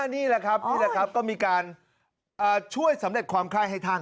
นี่แหละครับก็มีการช่วยสำเร็จความคล้ายให้ท่าน